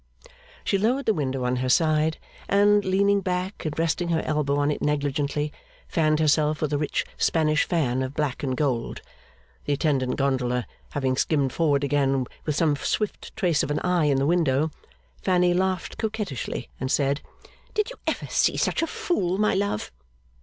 She lowered the window on her side, and, leaning back and resting her elbow on it negligently, fanned herself with a rich Spanish fan of black and gold. The attendant gondola, having skimmed forward again, with some swift trace of an eye in the window, Fanny laughed coquettishly and said, 'Did you ever see such a fool, my love?